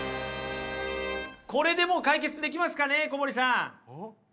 これでもう解決できますかね小堀さん。